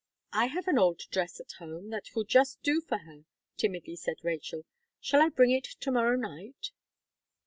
"I have an old dress at home, that will just do for her," timidly said Rachel "Shall I bring it to morrow night?"